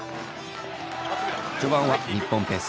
序盤は日本ペース